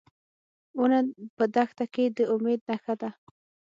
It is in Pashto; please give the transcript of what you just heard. ونه په دښته کې د امید نښه ده.